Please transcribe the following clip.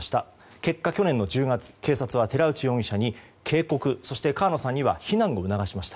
結果、去年の１０月警察は寺内容疑者に警告、そして川野さんには避難を促しました。